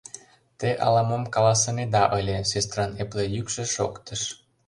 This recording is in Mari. — Те ала-мом каласынеда ыле? — сестран эпле йӱкшӧ шоктыш.